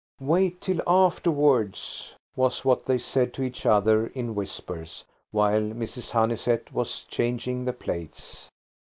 "Wait till afterwards," was what they said to each other in whispers, while Mrs. Honeysett was changing the plates.